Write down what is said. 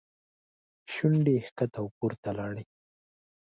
شونډې یې ښکته او پورته لاړې.